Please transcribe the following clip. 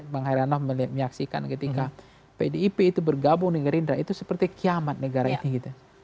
bang hairana menyaksikan ketika pdip itu bergabung dengan gerindra itu seperti kiamat negara ini gitu